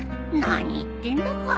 何言ってんだか。